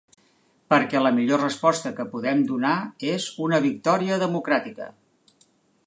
Perquè la millor resposta que podem donar és una victòria democràtica.